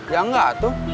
ya enggak tuh